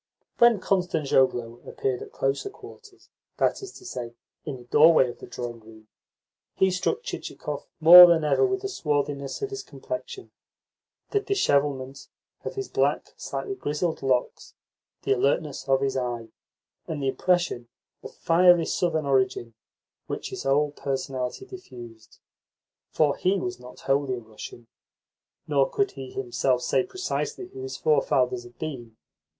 When Kostanzhoglo appeared at closer quarters that is to say, in the doorway of the drawing room he struck Chichikov more than ever with the swarthiness of his complexion, the dishevelment of his black, slightly grizzled locks, the alertness of his eye, and the impression of fiery southern origin which his whole personality diffused. For he was not wholly a Russian, nor could he himself say precisely who his forefathers had been.